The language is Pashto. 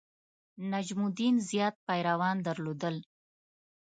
نجم الدین زیات پیروان درلودل.